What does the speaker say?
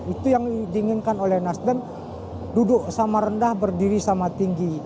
itu yang diinginkan oleh nasdem duduk sama rendah berdiri sama tinggi